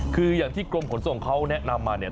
คืออย่างที่กรมขนส่งเขาแนะนำมาเนี่ย